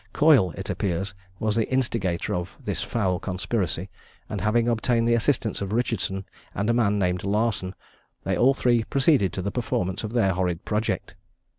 Coyle, it appears, was the instigator of this foul conspiracy, and having obtained the assistance of Richardson and a man named Larson, they all three proceeded to the performance of their horrid project.